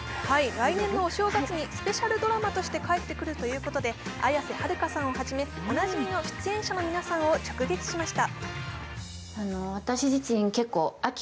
来年のお正月にスペシャルドラマとして帰ってくるということで綾瀬はるかさんをはじめ、おなじみの出演者の皆さんを直撃しました。